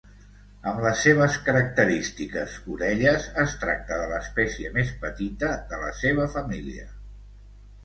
Amb les seves característiques orelles, es tracta de l'espècie més petita de la seva família.